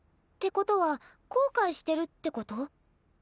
ってことは後悔してるってこと？